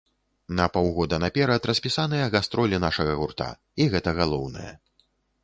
На паўгода наперад распісаныя гастролі нашага гурта і гэта галоўнае.